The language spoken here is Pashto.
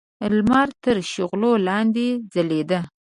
د لمر تر شغلو لاندې ځلېده.